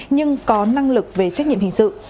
nhưng có năng lực về trách nhiệm hình sự